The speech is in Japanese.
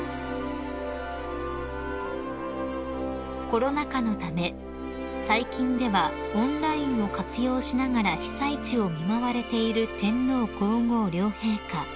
［コロナ禍のため最近ではオンラインを活用しながら被災地を見舞われている天皇皇后両陛下］